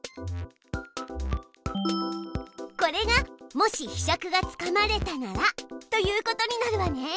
これが「もしひしゃくがつかまれたなら」ということになるわね。